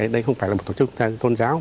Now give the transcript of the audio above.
đây không phải là một tổ chức tôn giáo